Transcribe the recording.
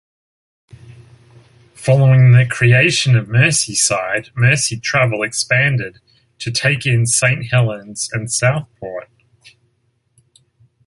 Following the creation of Merseyside, Merseytravel expanded to take in Saint Helens and Southport.